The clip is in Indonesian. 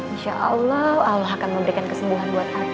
insya allah allah akan memberikan kesembuhan buat aku